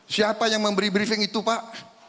siapa yang memberi briefing itu pak